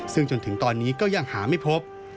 ซึ่งจนถึงตอนนี้ก็ยังหาไม่พบ